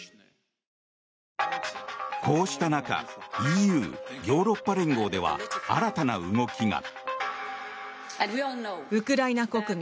こうした中ＥＵ・ヨーロッパ連合では新たな動きが。